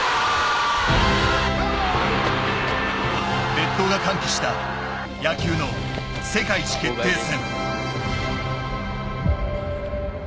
列島が歓喜した野球の世界一決定戦。